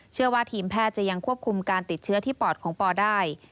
เชื่อว่าทีมแพทย์จะยังควบคุมการติดเชื้อที่ปอดของปอได้